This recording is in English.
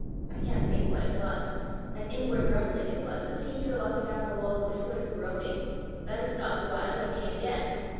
I can't think what it was an inward rumbling it was, that seemed to go up and down the wall with a sort of groaning, then stopped a while, and came again.